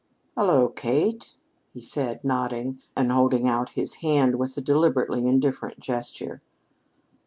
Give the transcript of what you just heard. "Hullo, Kate," he said, nodding and holding out his hand with a deliberately indifferent gesture.